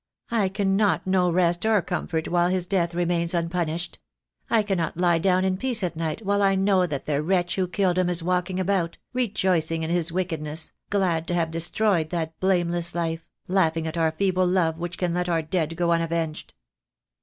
I cannot know rest or com fort while his death remains unpunished. I cannot lie down in peace at night while I know that the wretch who killed him is walking about, rejoicing in his wicked ness, glad to have destroyed that blameless life, laughing at our feeble love which can let our dead go unavenged."